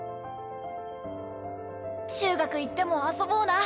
中学行っても遊ぼうな。